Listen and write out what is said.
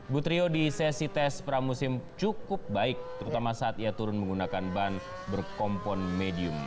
bu trio di sesi tes pramusim cukup baik terutama saat ia turun menggunakan ban berkompon medium